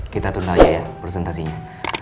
kita turun aja ya presentasinya